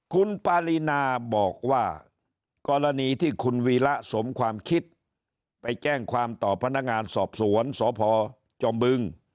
คุณปารีนาบอกว่ากรณีที่คุณวีระสมความคิดไปแจ้งความต่อพนักงานสอบสวนสพจอมบึง